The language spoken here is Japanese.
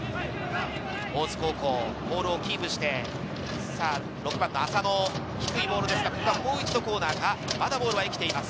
大津高校、ボールをキープして、６番の浅野、低いボールですが、まだボールは生きています。